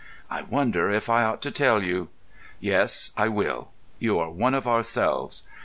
"I wonder if I ought to tell you? Yes, I will. You are one of ourselves.